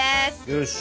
よし。